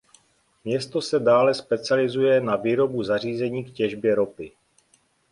Město se dále specializuje na výrobu zařízení k těžbě ropy.